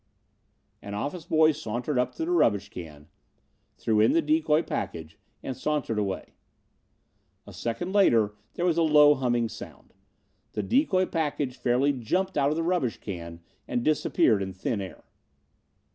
An office boy sauntered up to the rubbish can, threw in the decoy package, and sauntered away. A second later there was a low humming sound. The decoy package fairly jumped out of the rubbish can and disappeared in thin air.